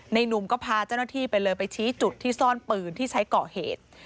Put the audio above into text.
หนุ่มก็พาเจ้าหน้าที่ไปเลยไปชี้จุดที่ซ่อนปืนที่ใช้ก่อเหตุ